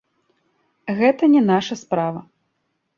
Гэта не наша справа.